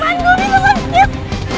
wan gue minggu wan yuk